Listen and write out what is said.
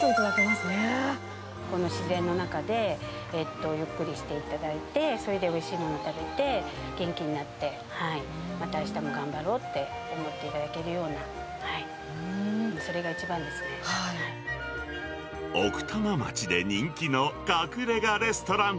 この自然の中でゆっくりしていただいて、それでおいしいもの食べて、元気になって、またあしたも頑張ろうって思っていただけるような、それが一番で奥多摩町で人気の隠れがレストラン。